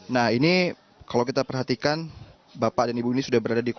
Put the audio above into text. nah ini kalau kita perhatikan bapak dan ibu ini sudah berada di kota